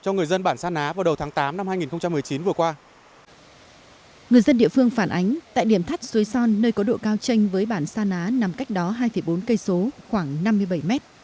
người dân địa phương phản ánh tại điểm thắt suối son nơi có độ cao tranh với bản sa ná nằm cách đó hai bốn cây số khoảng năm mươi bảy mét